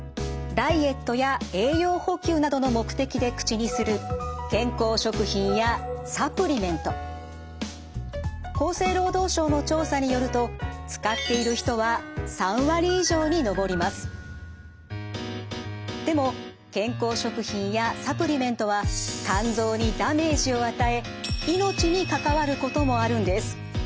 ダイエットや栄養補給などの目的で口にする厚生労働省の調査によるとでも健康食品やサプリメントは肝臓にダメージを与え命に関わることもあるんです。